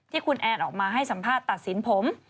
ที่คุณแอนออกมาให้สัมภาษณ์ตัดสินผม